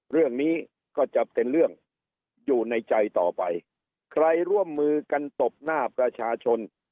เรื่องนี้ก็จะเป็นเรื่องอยู่ในใจต่อไปใครร่วมมือกันตบหน้าประชาชน